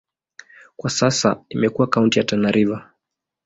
Kwa sasa imekuwa kaunti ya Tana River.